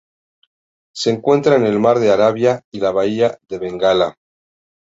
Se encuentra en el Mar de Arabia y la Bahía de Bengala.